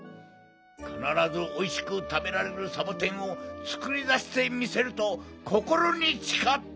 かならずおいしくたべられるサボテンをつくりだしてみせるとこころにちかった。